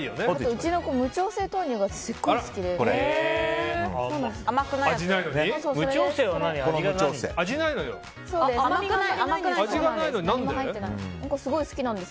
うちの子、無調整豆乳がすごい好きで。